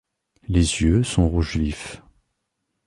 Les yeux sont rouge vif.